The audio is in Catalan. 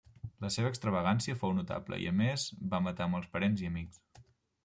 La seva extravagància fou notable i a més va matar molts parents i amics.